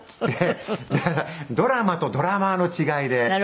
だからドラマとドラマーの違いで。